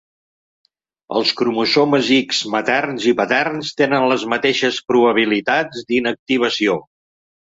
Els cromosomes X materns i paterns tenen les mateixes probabilitats d'inactivació.